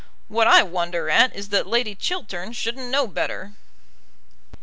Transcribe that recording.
What I wonder at is that Lady Chiltern shouldn't know better."